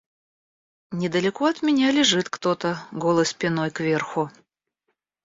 Недалеко от меня лежит кто-то голой спиной кверху.